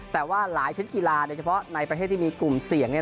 แต่ว่าหลายชิ้นกีฬาโดยเฉพาะในประเทศที่มีกลุ่มเสี่ยง